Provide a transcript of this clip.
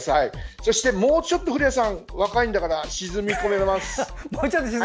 そして、もうちょっと古谷さん、若いんだから沈み込めます。